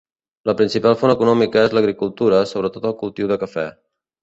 La principal font econòmica és l'agricultura, sobre tot el cultiu de cafè.